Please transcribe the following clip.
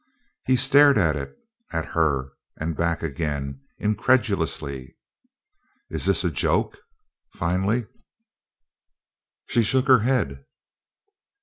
He stared at it, at her, and back again incredulously. "Is this a joke?" finally. She shook her head.